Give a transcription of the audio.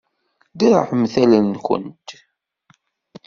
Derrɛemt allen-nkent.